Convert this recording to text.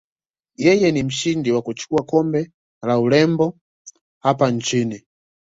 Yeye ni mshindi wa kuchukua kombe la urembo hapa nchini